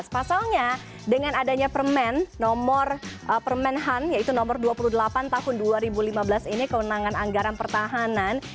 pasalnya dengan adanya permen nomor permenhan yaitu nomor dua puluh delapan tahun dua ribu lima belas ini kewenangan anggaran pertahanan